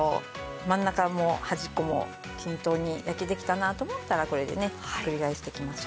真ん中も端っこも均等に焼けてきたなと思ったらこれでねひっくり返していきましょう。